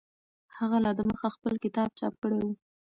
هغه لا دمخه خپل کتاب چاپ کړی و.